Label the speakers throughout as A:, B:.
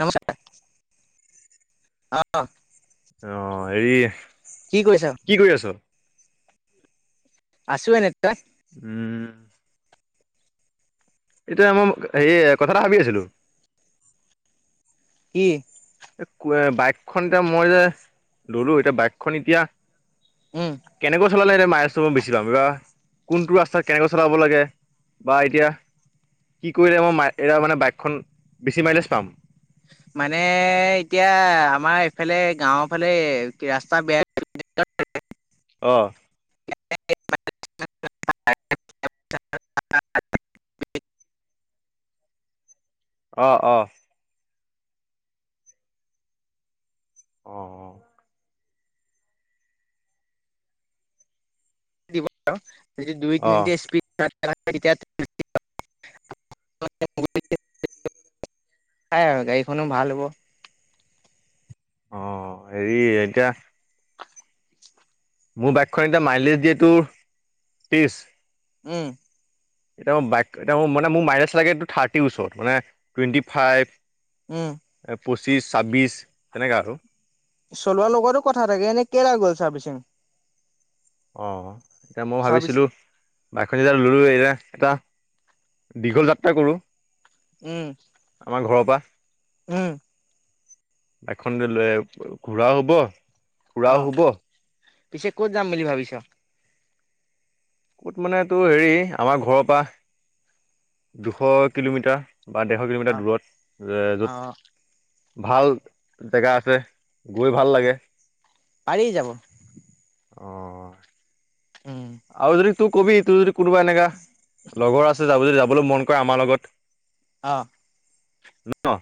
A: নমস্কাৰ অঁ।
B: অ হেৰি
A: কি কৰিছা?
B: কি কৰি আছ?
A: আছো এনে। তই?
B: উম। এতিয়া মই হে কথা এটা ভাবি আছিলো।
A: কি?
B: এ বাইকখন এতিয়া মই যে ললো, এতিয়া বাইকখন এতিয়া
A: উম
B: কেনেকৈ চলালে নে এনে মাইলেজ বেছি পাম বা কোনটো ৰাস্তাত কেনেকৈ চলাব লাগে? বা এতিয়া কি কৰিলে আমাৰ ম এৰা মানে বাইকখন বেছি মাইলেজ পাম?
A: মানে এতিয়া আমাৰ এইফালে গাঁওৰ ফালে ৰাস্তা বেয়া
B: অঁ। অ-অ। অ-অ।
A: দুই
B: অ',
A: তিনিটা স্পী [unintelligible] নাই আৰু গাড়ীখনো ভাল হ'ব।
B: অ হেৰি এতিয়া মোৰ বাইকখন এতিয়া মাইলেজ দিয়ে তোৰ ত্ৰিছ।
A: উম।
B: এতিয়া মোৰ বাইক এতিয়া মোৰ মানে মোৰ
A: উম
B: [unintelligible] এ পঁচিশ ছাব্বিশ তেনেকা আৰু
A: চলোৱাৰ লগতো কথা থাকে এনে কেইটা গ'ল ছাৰ্ভিচিং?
B: অ এতিয়া মই ভাবিছিলো বাইকখন যেতিয়া ললো এতিয়া এটা। দীঘল যাত্ৰা কৰোঁ
A: উম
B: আমাৰ ঘৰৰ পৰা।
A: উম
B: এখন ল ঘূৰা হ'ব। ফুৰাও
A: অ
B: হ'ব
A: পিছে কত যাম বুলি ভাবিছ।
B: ক'ত মানে তটো হেৰি আমাৰ ঘৰৰ পৰা দুশ কিলোমিটাৰ। বা ডেৰশ
A: অ
B: কিলোমিটাৰ দূৰত
A: অ
B: য'ত ভাল জেগা আছে। গৈ ভাল লাগে।
A: পাৰি যাব উম
B: আৰু যদি তোৰ কবি তোৰ যদি কোনোবা এনেকা লগৰ আছে যাব যদি যাব। লৈ মন কৰে আমাৰ লগত।
A: অ
B: ন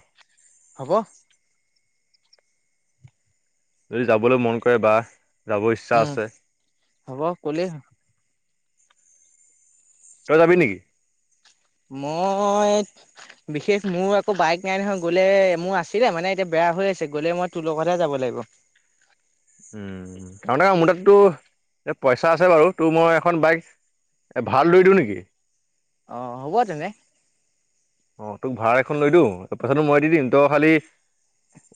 A: হ'ব
B: যদি যাবলৈ মন কৰে বা যাব ইচ্ছা
A: উম,
B: আছে
A: হ'ব, কলেই হল
B: তই যাবি নেকি
A: মই
B: [inaudible]
A: বিশেষ মোৰ আকৌ বাইক নাই নহয় গ'লে মোৰ আছিলে মানে এতিয়া বেয়া হৈ আছে গলে মই তোৰ লগতহে যাব লাগিব।
B: [inaudible] উম তাৰমান মোৰ তাতো পইচা আছে বাৰু তোৰ মই এখন বাইক এ ভাল দৈতো নেকি?
A: অ হ'ব তেনে
B: অ তোক ভাড়া এখন লৈ দিওঁ পইচাটো মই দি দিম তই খালি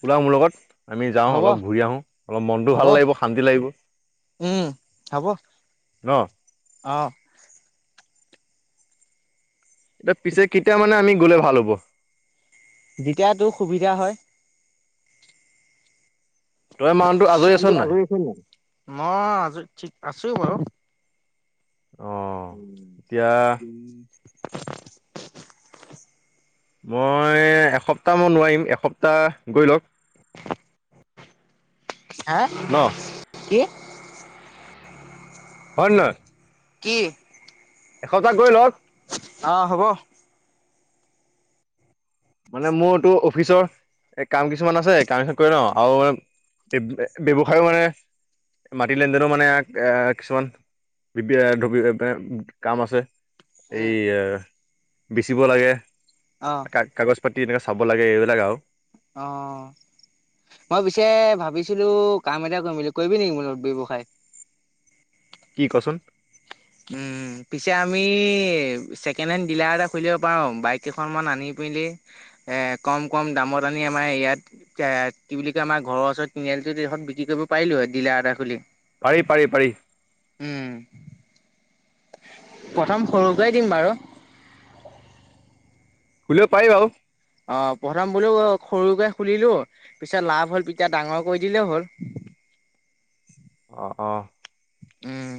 B: ওলা মোৰ লগত আমি যাওঁ
A: হ'ব
B: অলপ ঘূৰি আহো অলপ মনটো
A: হ'ব
B: ভাল লাগিব শান্তি লাগিব।
A: উম হব,
B: ন
A: অঁ।
B: এয়া পিছে কিটা মানে আমি গ'লে ভাল হ'ব-
A: যেতিয়া তোৰ সুবিধা হয়।
B: তই মানুহটো আছ নাই
A: আজৰি মই আজৰি ঠিক আছো বাৰু
B: অ' এতিয়া
A: [unintelligible]
B: মই এসপ্তাহ মান নোৱাৰিম এসপ্তাহ গৈ লওঁক
A: হা
B: ন
A: কি
B: হয় নে নহয়?
A: কি?
B: এসপ্তাহ গৈ লওক।
A: অ হ'ব।
B: মানে মোৰতটো অফিচৰ এ কাম কিছুমান আছে, কামখিনি কৰি লওঁ আৰু এ ব্যৱসায় মানে মাটি লেনদেনো মানে এ কিছুমান ধৰি কাম আছে।
A: উম
B: এই বিচিব লাগে।
A: আহঁ।
B: পাচ পাতি এনেককা চাব লাগে এইবিলাক আৰু
A: অঁ। মই পিছে ভাবিছিলো কাম এটা কৰিম বুলি কৰিবি নেকি মোৰ ব্যৱসায়
B: কি কচোন?
A: উম পিছে আমি ছেকেণ্ড হেণ্ড ডিলাৰ এটা খুলিব পাৰো, বাইক কেইখনমান আনি এহ কম কম দামৰ দানি আমাৰ ইয়াত এহ কি বুলি কয় ঘৰৰ ওচৰৰ তিনি আলিটোত দি এডখত বিক্ৰী কৰিব পাৰিলো হয় ডিলাৰ এটা খুলি।
B: পাৰি পাৰি পাৰি।
A: উম প্ৰথম সৰুকেই দিম বাৰু
B: খুলিব পাৰি বাৰু।
A: অ প্ৰথম বোলো সৰুকে খুলিলো পিছত লাভ হল এতিয়া ডাঙৰ কৰি দিলে হ'ল
B: অঁ অঁ।
A: উম।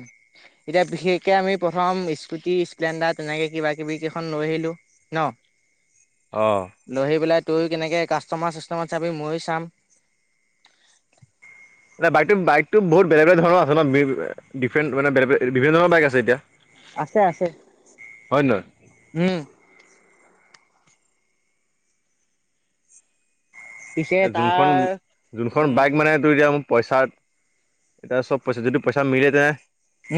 A: এতিয়া বিশেষকে আমি প্ৰথম স্কুটি স্প্লেণ্ডাৰ তেনেকে কিবা কিবি কেইখন লৈ আহিলও। ন? [unintelligible]
B: [inaudible]
A: লৈ আহি পেলাই তইয়ো কেনেকে কাষ্টমাৰ চাষ্টমাৰ চাবি, ময়ো চাম।
B: ন বাইক বাইকটো বহুত বেলেগ বেলেগ ধৰণৰ আছে নহঁ ডিফেণ্ট মানে বেলেগ বিভিন্ন ধৰণৰ বাইক আছে এতিয়া [unintelligible]
A: আছে আছে
B: হয় নে নহয়
A: উম পিছে
B: এ যোনখন
A: তাৰ
B: যোনখন
A: উম
B: বাইক মানে তোৰ এতিয়া পইচা, এতিয়া চব পইচা যদি পইচা মিলে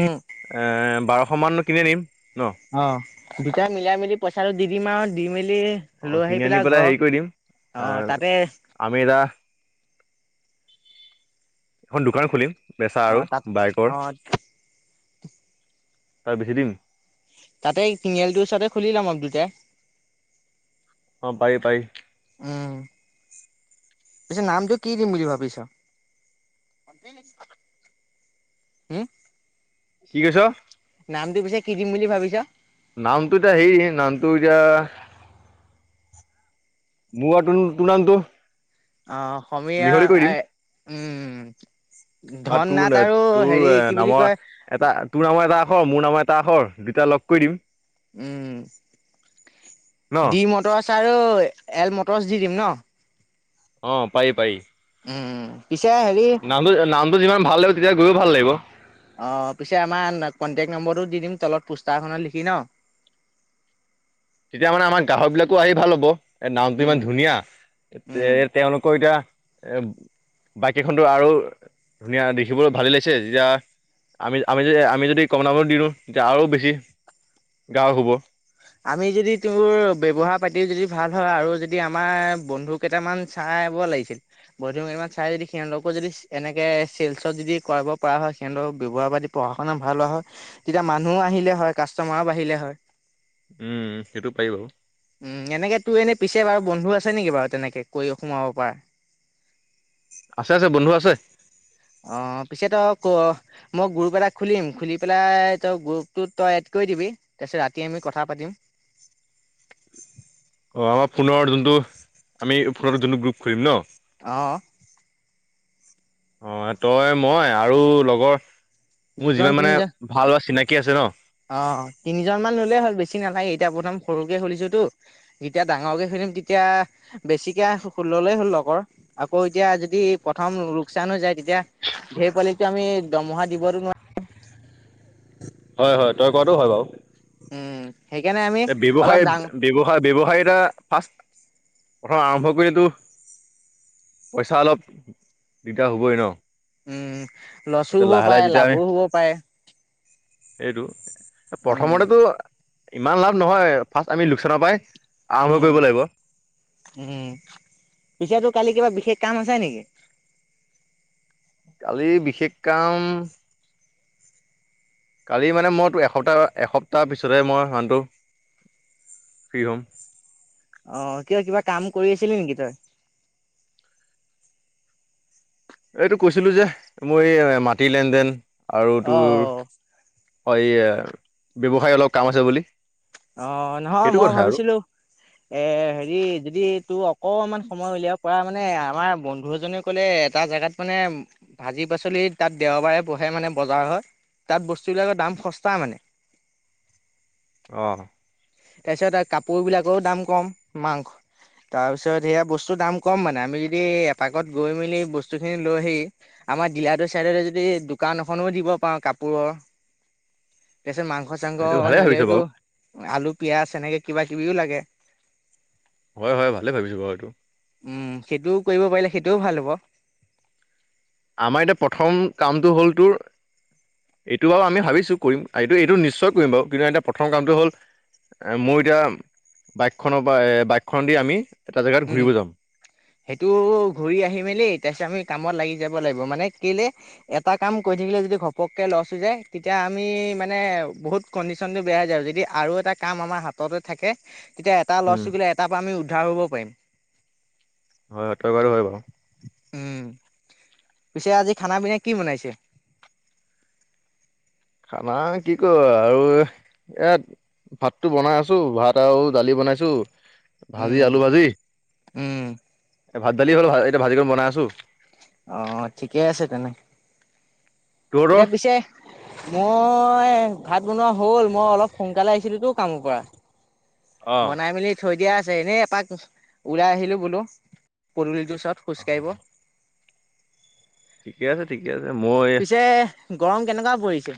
A: উম
B: বাৰশ কেতিয়া দিম [unintelligible]
A: অ দুটাই মিলাই মিলি পইচাটো দি দিম আৰু দি মেলি
B: অ
A: লৈ আহি
B: কিনি আনি পেলাই
A: ঘৰ
B: হেৰি কৰি দিম, এ
A: অ' তাতে
B: আমি এটা এখন দোকান খুলিম বেচা আৰু
A: অ' তাত
B: বাইকৰ।
A: অ'
B: তাক বেছি দিম?
A: তাতে তিনিআলটোৰ ওচৰতে খুলি লম আৰু দুইটাই।
B: অহঁ পাৰি পাৰি
A: উম পিছে নামটো কি দিম বুলি ভাবিছ? হম
B: কি কৈছ?
A: নামটো পিছে কি দিম বুলি ভাবিছা
B: নামটো এতিয়া হেৰি নামটো এতিয়া বোৱা তুন তোৰ নামটো
A: সমীয়া
B: মিহলি কৰি দিম
A: আই উম [unintelligible]
B: বা
A: ধন নাট
B: তোৰ
A: আৰু হেৰি
B: তোৰ
A: কি বুলি
B: নামৰ
A: কয়
B: এটা তোৰ নামৰ এটা আখৰ মোৰ নামৰ এটা এটা আখৰ দুটা লগ কৰি দিম- [unintelligible]
A: উম।
B: ন
A: ডি মটৰচ আৰু এল মটৰচ দি দিম নহঁ।
B: অহঁ পায়ী পায়ী। [unintelligible]
A: উম পিছে হেৰি
B: নামটো নামটো যিমান ভাল লাগিব তেতিয়া গৈওঁ ভাল লাগিব।
A: অ পিছে আমাৰ কনটেক্ট নম্বৰটো দি দিম তলত পোষ্টাৰ এখনত লিখি ন?
B: তেতিয়া মানে আমাৰ গ্ৰাহক বিলাকো আহি ভাল পাব। এ নামটো ইমান ধুনীয়া তেওঁলোকৰ এতিয়া এ বাইক কেইখনতো আৰু ধুনীয়া দেখিবলৈ ভালেই লাগিছে যেতিয়া আমি আমি যদি আমি যদি কমনাব দিওঁ তেতিয়া আৰু বেছি গা হুব [unintelligible]
A: আমি যদি তোৰ ব্যৱহাৰ পাতিও যদি ভাল হয় আৰু যদি আমাৰ বন্ধু কেইটামান চাব লাগিছিল, বন্ধু [unintelligible] চাই যদি সিহঁতকো যদি এনেকে চেলচত যদি কৰাব পৰা হয়, সিঁহতলোকৰ ব্যৱহাৰ পাতি পঢ়া শুনা ভাল। [unintelligible] হয়। তেতিয়া মানুহ আহিলে হয়, কাষ্টমাৰো বাঢ়িলে হয়।
B: উম সেইটো পাৰি বাৰু
A: উম এনেকে তোৰ এনে পিছে বাৰু বন্ধু আছে নেকি বাৰু তেনেকে কৈও [unintelligible] সোমাব পাৰে।
B: আছে আছে বন্ধু আছে।
A: অঁ পিছে তই ক মই গ্ৰুপ এটা খুলিম, খুলি পেলাই তই গ্ৰুপটোত তই কৈ দিবি তাৰপিছত ৰাতি আমি কথা পাতিম
B: [inaudible] অঁ আমাৰ ফোনৰ যোনটো আমি ফোনৰ যোনটো গ্ৰুপ খুলিম নহঁ
A: আঁহ
B: অহঁ, তই মই আৰু লগৰ মোৰ
A: দুজন
B: যিমান মানে
A: তিনিজন।
B: ভাল বা চিনাকি আছে ন
A: অ তিনিজন মান ললেই হ'ল বেছি বেছি নালাগে, এতিয়া প্ৰথম সৰুকে খুলিছো তো। যেতিয়া ডাঙৰকে খুলিম তেতিয়া বেছিকে ললে হ'ল লগৰ আকৌ এতিয়া যদি প্ৰথম লোকচান হৈ যায় তেতিয়া হে পোৱালিটো আমি দৰমহাত বাৰ [unintelligible]
B: হয় হয় তই কৰাটো হয় বাৰু।
A: উম সেইকাৰণে আমি
B: এ
A: অলপ
B: ব্যৱসায়
A: ডাঙ
B: ব্যৱসায় ব্যৱসায় এটা ফাৰ্ষ্ট প্ৰথম আৰম্ভ কৰিয়েতো পইচা অলপ দিগদাৰ হ'বই নহঁ।
A: উম ল'ছো হব পাৰে, লাভো হ'ব পাৰে।
B: সেইটো
A: উম
B: প্ৰথমতেতো ইমান লাভ নহয় ফাৰ্ষ্ট আমি লোকচান পাই
A: উম উম। পিছে তোৰ কালি কিবা বিশেষ কাম আছে নেকি?
B: কালি বিশেষ কাম কালি মানে মই তো এসপ্তাহ এসপ্তাহ পিছতহে মই ধনতটো কি হম
A: অ কিয় কিবা কাম কৰি আছিলি নেকি তই।
B: এইটো কৈছিলোঁ যে মই এই মাটিৰ লেন দেন আৰু তোৰ।
A: অঁ
B: হয় এই ব্যৱসায় অলপ কাম আছে বুলি
A: অ নহয়,
B: সেইটো
A: মই
B: কথা আৰু
A: ভাবিছিলো এ হেৰি যদি তোৰ অকমান সময় উলিয়াব পৰা মানে আমাৰ বন্ধু এজনে ক'লে এটা জোগাত মানে ভাজি পাচলি তাত দে দেওবাৰে বহে মানে বজাৰ হয় তাত বস্তুবিলাকৰ দাম সস্তা মানে
B: অহ।
A: তাৰপিছত কাপোৰ বিলাকৰো দাম কম, মাংস তাৰপিছত সেয়া বস্তুৰ দাম কম মানে আমি যদি এপাকত গৈ মেলি বস্তু খিনি লৈ আহি আমাৰ ডিলাটোৰ চাইডতে যদি দোকান এখনো দিব পাৰো কাপোৰৰ
B: টিটি টি
A: পাছত মাংস মাংস-চাংস নিলেওতো
B: বাৰু
A: আলু, পিয়াজ এনেকে কিবা কিবিও লাগে
B: হয় হয়, ভালে ভাবিছো বাৰু এইটো
A: উম, সেইটোও কৰিব পাৰিলে সেইটোও ভাল হ'ব।
B: আমাৰ এতিয়া প্ৰথম কামটো হ'ল তোৰ এইটো বাৰু আমি ভাবিছো কৰিম এইটো, এইটো নিশ্চয় কৰিম বাৰু কিন্তু এতিয়া প্ৰথম কামটো হ'ল এ মোৰ এতিয়া বাইকখনৰ পৰা এ বাইকখন দি আমি এটা জেগাত
A: উম
B: ঘূৰিব
A: উম,
B: যাম
A: সেইটো ঘূৰি আহি মেলি তাৰপিছত আমি কামত লাগি যাব লাগিব মানে কেলে এটা কাম কৰি থাকিলে যদি ঘপককে লচ হৈ যায় তেতিয়া আমি মানে বহুত কনদিশৃন আৰু এ ক আমাৰ হাত তে থাকে তেতিয়া এটা
B: উম,
A: [unintelligible] এটা পৰা আমি উদ্ধ হব পাৰিম
B: হয়, [unintelligible] হয় বাৰু
A: উম পিছে আজি খানা পিনা কি বনাইছে?
B: খানা আমি কি কৰো আৰু ইয়াত ভাতটো বনাই আছো ভাত আৰু দালি বনাইছো ভাজি
A: উম,
B: আলু ভাজি,
A: উম,
B: এ ভাত দালি হ'ল এতিয়া ভাজিতো বনাই আছো।
A: অ ঠিকে আছে তেনে
B: তহঁতৰ
A: এতিয়া পিছে মই মই ভাত বনোৱা হ'ল মই অলপ সোনকালে আহিছিলো তো কামৰ পৰা
B: অ
A: বনাই মেলি থৈ দিয়া আছে এনেই এপাক উহ ওলাই আহিলো বোলো পদূলিটো ওচৰ ত খোজকাঢ়িব।
B: ঠিকে আছে ঠিকে আছে মই
A: পিছে গৰম কেনেকুৱা পৰিছে?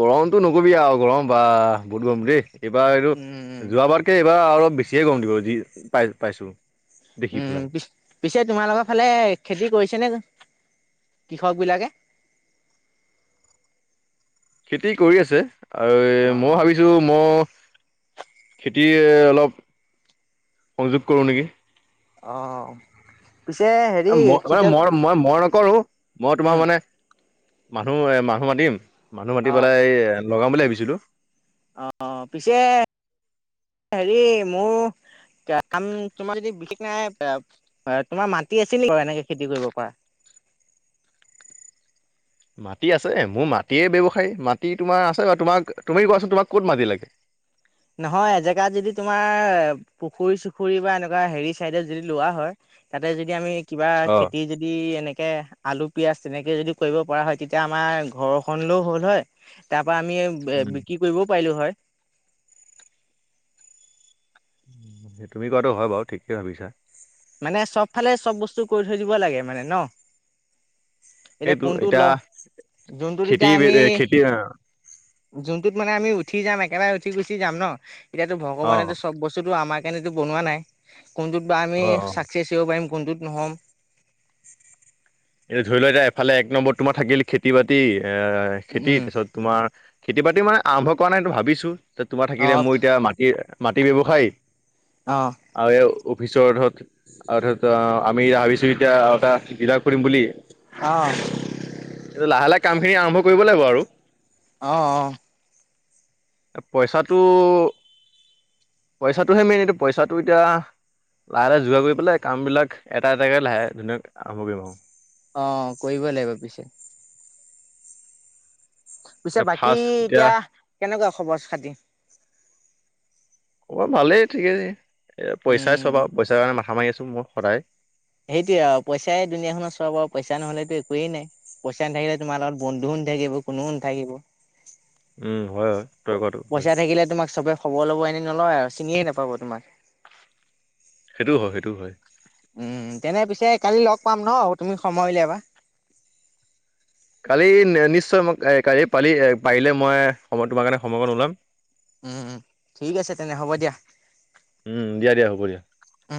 B: গৰমতটো নকবি আও গৰম বা বহুত গৰম দেই এইবাৰ এইটো
A: উম,
B: যোৱা বাৰতকে কিবা অলপ বেছিয়ে গৰম দিব যি পাই পাইছো। দেখি
A: উম
B: পেলাই
A: পি পিছে তোমাৰ লগৰ ফালে খেতি কৰিছেনে? কৃষক বিলাকে
B: খেতি কৰি আছে আৰৱে মই
A: অ',
B: ভাবিছো ম- খেতি অলপ সংযোগ কৰোঁ নেকি।
A: অ' পিছে হেৰি
B: মই মানে
A: খেতিয়ক
B: মই মই মই নকৰো মই তোমাৰ
A: উম,
B: মানে, মানুহ এ মানুহ মাতিম, মানুহ মাতি
A: অ',
B: পেলাই এই লগাম বুলি ভাবিছিলো।
A: অ পিছে হেৰি মোৰ কাম তোমাৰ যদি বিশেষ নাই তোমাৰ মাটি আছে নে বাৰু এনেকে খেতি কৰিব পৰা
B: [inaudible] মাটি আছে মোৰ মাটিয়ে ব্যৱসায়ী, মাটি তোমাৰ আছে বা তোমাক তুমি কোৱাচোন তোমাক ক'ত মাটি লাগে?
A: নহয় এজেগাত যদি তোমাৰ পুখুৰী-চুখুৰী বা এনেকুৱা হেৰি চাইডত যদি লোৱা হয় তাতে যদি আমি কিবা
B: অ
A: খেতি যদি এনেক- কে আলু, পিয়াজ তেনেকে যদি কৰিব পৰা হয় তেতিয়া আমাৰ ঘৰখনলৈও হ'ল হয় তা- বা আমি এ
B: উম।
A: বিক্ৰী কৰিবও পাৰিলো হয়।
B: তুমি কোৱাটো হয় বাও ঠিকেই ভাবিছা।
A: মানে চব ফালে চব বস্তু কৰি থৈ দিব লাগে মানে ন এতিয়া কোনটো ল যোনটোত
B: খেতি
A: তেতিয়া আমি
B: খেতি অ
A: যোনটোত মানে আমি উঠি যাম একেবাৰে উঠি গুচি যাম ন এতিয়াতো
B: অ
A: ভগৱানেটো চব বস্তুতটো আমাক সেইকাৰণেটো বনোৱা নাই কোনটোত বা আমি
B: অ
A: বিচিয় পাৰিম কোনটোত নো হম?
B: এ ধৰি লোৱা এতিয়া এফালে এক নম্বৰত তোমাৰ থাকিল খেতি বাতি এ খেতি
A: উম
B: তাৰপিছত তোমাৰ খেতি বাতি মানে আৰম্ভ কৰা নাইটো ভাবিছো তোমাৰ থাকিলে মোৰ এতিয়া মাটি, মাটি ব্যৱসায়
A: অ অ
B: আয়অ অফিচৰহঁত আৰু ত আমি ভাবিছোঁ এতিয়া আৰু এটা ডিলাৰ খুলিম বুলি
A: অহ
B: কাম খিনি আৰম্ভ কৰিব লাগিব আৰু
A: অ অ
B: পইচাটো পইচাটোহে মেইন এইটো পইচাটো এতিয়া লাহে লাহে যোগাৰ কৰি পেলাই কাম বিলাক এটা এটাকে লাহে ধুনীয়াকে আৰম্ভ কৰিম আও।
A: অ কৰিব লাগিব পিছে পিছে
B: এতিয়া
A: বাকী
B: ফাৰ্ষ্ট
A: এতিয়া কেনেকুৱা খবৰ-খাতি।
B: খবৰ ভালেই ঠিকেই। এ পইচাই
A: উম
B: চব আৰু পইচাৰ কাৰণে মাথা মাৰি আছো মই সদায়।
A: সেইটোয়ে আও পইচাই দুনীয়া খনত চব আৰু পইচা নহলেতো একোৱে নাই, পইচা নাথাকিলে তোমাৰ লগত বন্ধু নাথাকিব কোনোও নাথাকিব।
B: উম হয় হয় তই কোৱাটো হয়
A: পইচা থাকিলে তোমাক চবে খবৰ ল'ব এনে নলয় আৰু চিনিয়ে নাপাব তোমাক।
B: সেইটো হয় সেইটো হয়।
A: উম তেনে পিছে কালি লগ পাম ন তুমি সময় উলিয়াবা।
B: কালি নিশ্চয় মই কালি পালি এ পাৰিলে মই সময় তোমাৰ কাৰণে সময় কণ ওলিয়াম।
A: উম, ঠিক আছে তেনে হ'ব দিয়া।
B: উম দিয়া দিয়া হ'ব দিয়া।
A: উম।